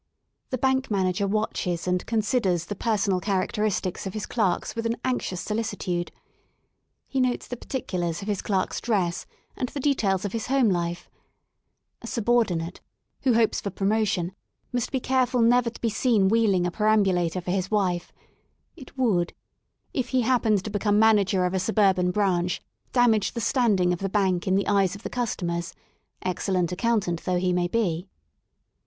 The bank manager watches and considers the personal characteristics of his clerks with an anxious solicitude. He notes the particulars of his clerk's dress and the details of his home life, A subordinate, who hopes for promotion must be careful never to be seen wheeling a peram bulator for his wife; it would, if he happened to become manager of a suburban branch, damage the standing of the Bank in the eyes of the customers, ex cellent accountant though he may be.